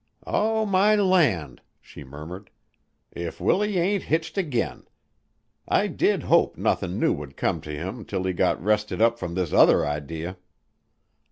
"Oh, my land!" she murmured. "If Willie ain't hitched again! I did hope nothin' new would come to him 'til he got rested up from this other idee."